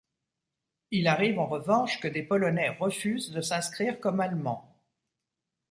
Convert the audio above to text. Il arrive, en revanche, que des Polonais refusent de s'inscrire comme Allemands.